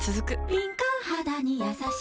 敏感肌にやさしい